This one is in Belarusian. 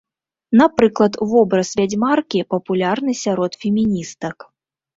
Напрыклад, вобраз вядзьмаркі папулярны сярод феміністак.